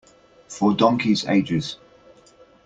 For donkeys' ages.